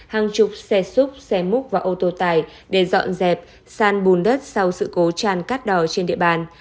hàng chục xe xúc xe múc và ô tô tải để dọn dẹp san bùn đất sau sự cố tràn cát đỏ trên địa bàn